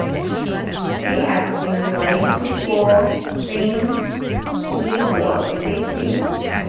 He has been playing football since he was fifteen.